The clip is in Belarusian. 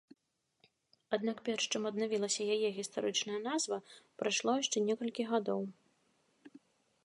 Аднак перш чым аднавілася яе гістарычная назва прайшло яшчэ некалькі гадоў.